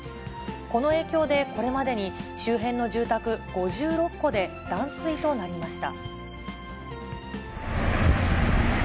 この影響で、これまでに周辺の住宅５６戸で断水となりました。